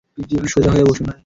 সোজা হয়ে বসুন।